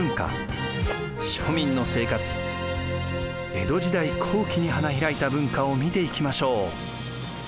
江戸時代後期に花開いた文化を見ていきましょう。